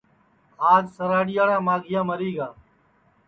آج سراڑیاڑا ماگھیا مری گا